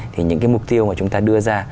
thì những cái mục tiêu mà chúng ta đưa ra